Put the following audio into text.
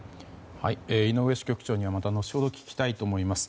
井上支局長にはまた後ほど聞きたいと思います。